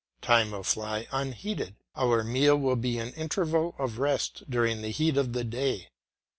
Time will fly unheeded, our meal will be an interval of rest during the heat of the day.